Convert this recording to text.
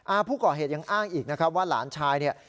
ผู้ก่อเหตุยังอ้างอีกนะครับว่าหลานชายเนี่ย